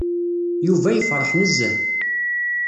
Yuba yefreḥ nezzeh.